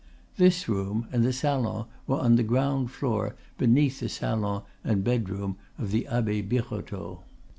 This room and the salon were on the ground floor beneath the salon and bedroom of the Abbe Birotteau.